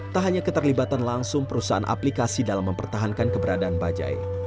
tak hanya keterlibatan langsung perusahaan aplikasi dalam mempertahankan keberadaan bajai